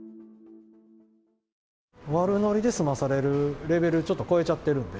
悪のりで済まされるレベルちょっと超えちゃってるんで。